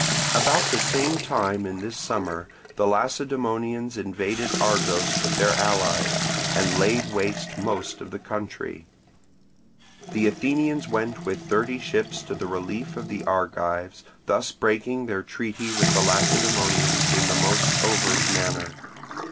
About the same time in this summer, the Lacedaemonians invaded Argos with their allies, and laid waste most of the country. The Athenians went with thirty ships to the relief of the Argives, thus breaking their treaty with the Lacedaemonians in the most overt manner.